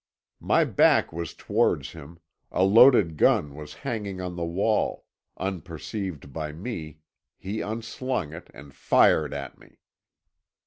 "My back was towards him; a loaded gun was hanging on the wall; unperceived by me he unslung it, and fired at me.